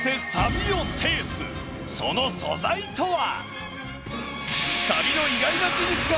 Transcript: その素材とは？